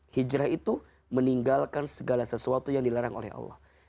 hijrah itu meninggalkan segala sesuatu yang dilarang oleh allah